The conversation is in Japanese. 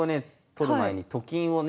取る前にと金をね